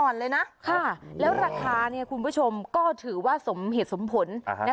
อ่อนเลยนะค่ะแล้วราคาเนี้ยคุณผู้ชมก็ถือว่าสมเหตุสมผลนะคะ